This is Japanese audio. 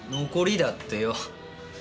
残りだってよ。